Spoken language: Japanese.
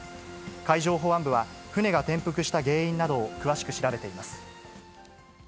海上保安部は、船が転覆した原因などを詳しく調べています。